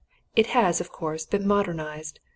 It has, of course, been modernized.